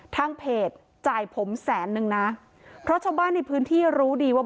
ทางเพจจ่ายผมแสนนึงนะเพราะชาวบ้านในพื้นที่รู้ดีว่า